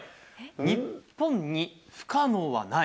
日本に不可能はない。